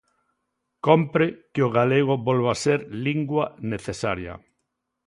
Cómpre que o galego volva ser lingua necesaria.